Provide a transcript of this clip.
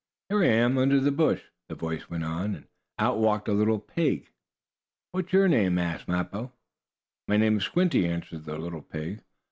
"Here I am, under this bush," the voice went on, and out walked a little pig. "What's your name?" asked Mappo. "My name is Squinty," answered the little pig.